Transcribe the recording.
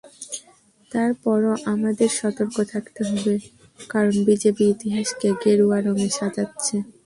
তার পরও আমাদের সতর্ক থাকতে হবে, কারণ বিজেপি ইতিহাসকে গেরুয়া রঙে সাজাচ্ছে।